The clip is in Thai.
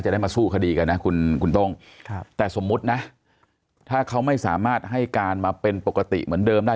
ได้มาสู้คดีกันนะคุณต้องแต่สมมุตินะถ้าเขาไม่สามารถให้การมาเป็นปกติเหมือนเดิมได้